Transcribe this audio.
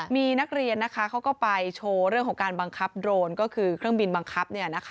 มีนักเรียนเขาก็ไปโชว์เรื่องของการบังคับโดรนก็คือเครื่องบินบังคับ